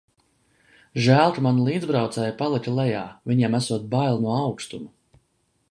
Žēl, ka mani līdzbraucēji palika lejā - viņiem esot bail no augstuma.